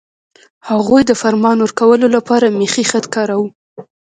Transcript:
هغوی د فرمان ورکولو لپاره میخي خط کاراوه.